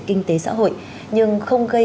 kinh tế xã hội nhưng không gây